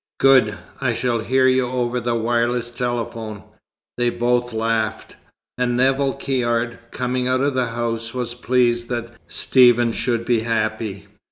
"Good. I shall hear you over the wireless telephone." They both laughed; and Nevill Caird, coming out of the house was pleased that Stephen should be happy.